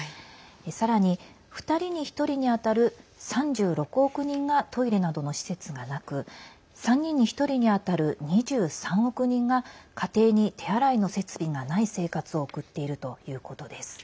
さらに２人に１人に当たる３６億人がトイレなどの施設がなく３人に１人に当たる２３億人が家庭に手洗いの設備がない生活を送っているということです。